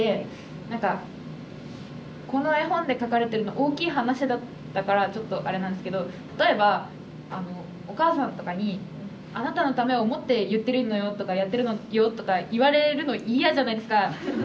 何かこの絵本でかかれてるのは大きい話だったからちょっとあれなんですけど例えばあのお母さんとかに「あなたのためを思って言ってるのよ」とか「やってるのよ」とか言われるの嫌じゃないですか。